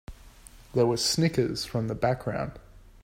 There were snickers from the background.